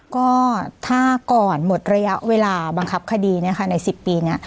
ก็ถ้าก่อนหมดระยะเวลาบังคับคดีเนี่ยค่ะใน๑๐ปีเนี่ย